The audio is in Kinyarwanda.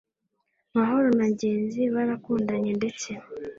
Mahoro na Ngenzi barakundanye ndetse